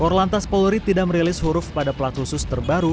orlantas polri tidak merilis huruf pada pelat husus terbang